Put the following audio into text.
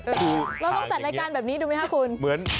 เราต้องจัดรายการแบบนี้ดูไหมคะคุณ